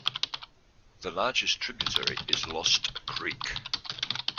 The largest tributary is Lost Creek.